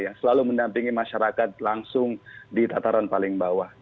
yang selalu mendampingi masyarakat langsung di tataran paling bawah